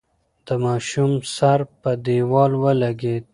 د ماشوم سر په دېوال ولگېد.